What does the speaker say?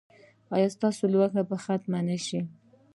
ایا ستاسو لوږه به ختمه نه شي؟